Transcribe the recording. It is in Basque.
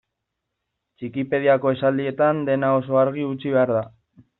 Txikipediako esaldietan dena oso argi utzi behar da.